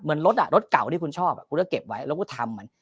รถอ่ะรถรถเก่าที่คุณชอบคุณก็เก็บไว้แล้วก็ทำมัน